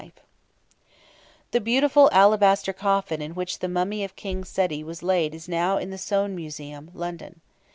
Pages 80, 81] The beautiful alabaster coffin in which the mummy of King Sety was laid is now in the Soane Museum, London.